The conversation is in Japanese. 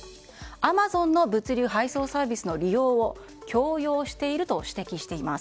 アマゾンの物流配送サービスの利用を強要していると指摘しています。